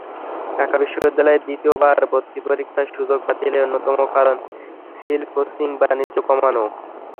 ঢাকা বিশ্ববিদ্যালয়ে দ্বিতীয়বার ভর্তি পরীক্ষার সুযোগ বাতিলের অন্যতম কারণ ছিল কোচিং-বাণিজ্য কমানো।